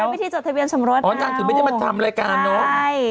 วิธีจดทะเบียนสมรสอ๋อนางถึงไม่ได้มาทำรายการเนอะใช่